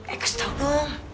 eh kasih tau dong